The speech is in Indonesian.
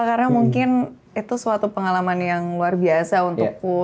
karena mungkin itu suatu pengalaman yang luar biasa untukku